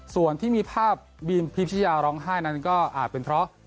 ส่วนที่มีภาพบีมพิชยาร้องไห้นั้นก็อาจเป็นเพราะ